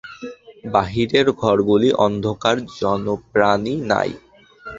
বাহিরের ঘরগুলি অন্ধকার, জনপ্রাণী নাই।